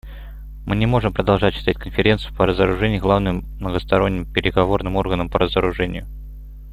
Мы не можем продолжать считать Конференцию по разоружению главным многосторонним переговорным органом по разоружению.